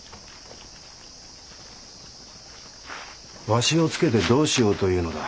わしをつけてどうしようというのだ？